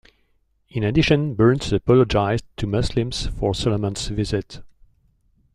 In addition, Burns apologized to Muslims for Solomon's visit.